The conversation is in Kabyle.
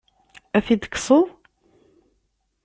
Ad t-id-tekkseḍ?